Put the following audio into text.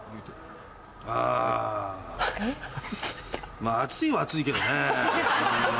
まぁ熱いは熱いけどね。